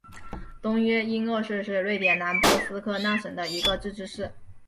东约因厄市是瑞典南部斯科讷省的一个自治市。